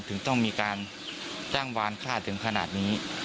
ถึงต้องมีการจ้างวานฆ่าถึงขนาดนี้